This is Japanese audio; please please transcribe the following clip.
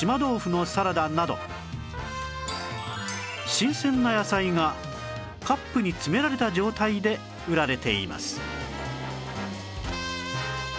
新鮮な野菜がカップに詰められた状態で売られています